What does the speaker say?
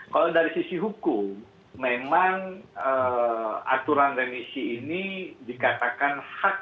kalau dari sisi hukum memang aturan remisi ini dikatakan hak